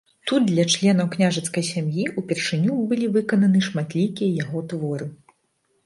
Тут для членаў княжацкай сям'і ўпершыню былі выкананы шматлікія яго творы.